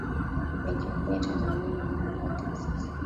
benki kuu ya tanzania ina muundo wa taasisi